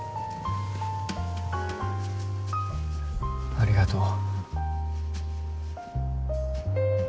ありがとう。